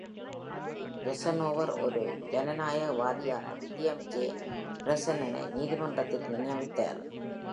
Eisenhower ஒரு ஜனநாயகவாதியான William J. பிரென்னனை நீதிமன்றத்திற்கு நியமித்தார்.